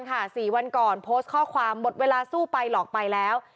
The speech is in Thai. ทวิตข้อความหมดเวลาสู้ไปหลอกไปแล้ว